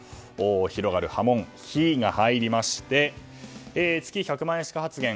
広がる波紋の「ヒ」が入りまして月１００万しか発言